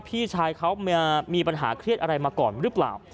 พี่ชายเขามีปัญหาเครียดอะไรมาก่อนหรือเปล่า